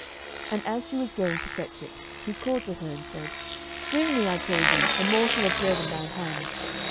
11:017:011 And as she was going to fetch it, he called to her, and said, Bring me, I pray thee, a morsel of bread in thine hand.